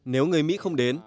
nếu người mỹ không đến